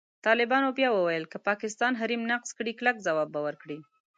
طالبان بیا وویل، که پاکستان حریم نقض کړي، کلک ځواب به ورکړي.